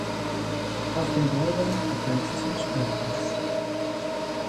Auf dem Baugrund befand sich ein Sportplatz.